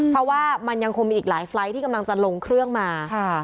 เพราะว่ามันยังคงมีอีกหลายไฟล์ทที่กำลังจะลงเครื่องมา